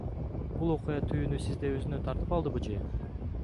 Бул окуя түйүнү сизди өзүнө тартып алдыбы, же?